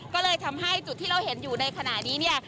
ก็เลยทำให้จุดที่เราเห็นอยู่ในขณะนี้เนี่ย